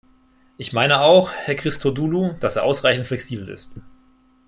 Ich meine auch, Herr Christodoulou, dass er ausreichend flexibel ist.